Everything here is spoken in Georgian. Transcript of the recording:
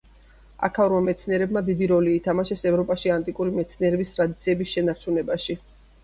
აქაურმა მეცნიერებმა დიდი როლი ითამაშეს ევროპაში ანტიკური მეცნიერების ტრადიციების შენარჩუნებაში.